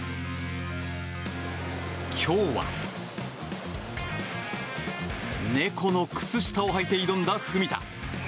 今日は猫の靴下をはいて挑んだ文田。